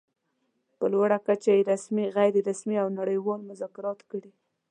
په لوړه کچه يې رسمي، غیر رسمي او نړۍوال مذاکرات کړي.